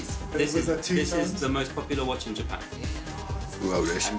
うわうれしい。